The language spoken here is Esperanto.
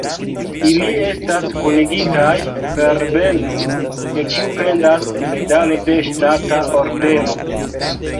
Ili estas kunigitaj per bendo, de kiu pendas medalo de ŝtata ordeno.